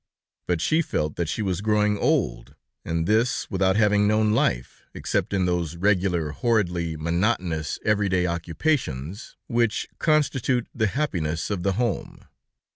But she felt that she was growing old, and this, without having known life, except in those regular, horridly monotonous, everyday occupations, which constitute the happiness of the home.